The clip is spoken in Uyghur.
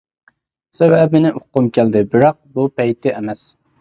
سەۋەبىنى ئۇققۇم كەلدى بىراق بۇ پەيتى ئەمەس.